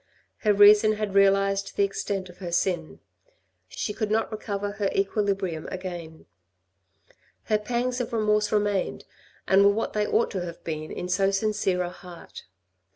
Her reason had realised the extent of her sin. She could not recover her equilibrium again. Her pangs of remorse re mained, and were what they ought to have been in so sincere a heart.